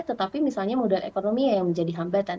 tetapi misalnya modal ekonomi yang menjadi hambatan